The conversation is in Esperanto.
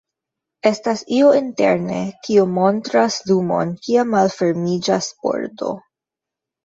Estas io interne, kiu montras lumon kiam malfermiĝas pordo.